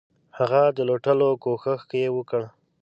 هغه د لوټلو کوښښ یې وکړ.